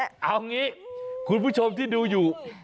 เอางี้คุณผู้ชมที่ดูอยู่